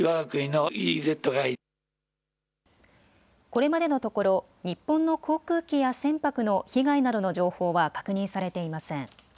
これまでのところ日本の航空機や船舶の被害などの情報は確認されていません。